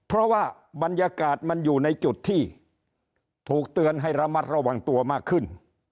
เพราะว่าบรรยากาศมันอยู่ในจุดที่ถูกเตือนให้ระมัดระวังตัวมากขึ้น